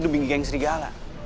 dibinggi geng serigala